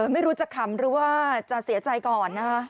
ไม่รู้จะขำหรือว่าจะเสียใจก่อนนะคะ